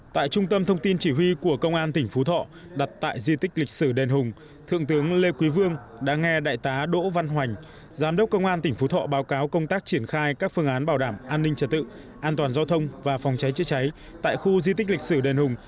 tại trung tâm thông tin chỉ huy của công an tỉnh phú thọ đặt tại di tích lịch sử đền hùng thượng tướng lê quý vương đã nghe đại tá đỗ văn hoành giám đốc công an tỉnh phú thọ báo cáo công tác triển khai các phương án bảo đảm an ninh trật tự an toàn giao thông và phòng cháy chữa cháy tại khu di tích lịch sử đền hùng